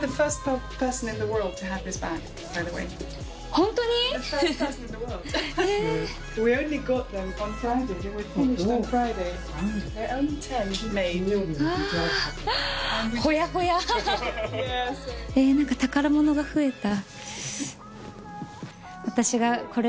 ホントに⁉宝物が増えた。